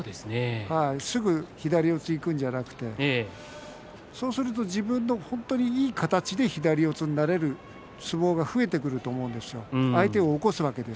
すぐ左四つになるのではなくてそうすると自分のいちばんいい形で左四つになる相撲が増えてくると思います。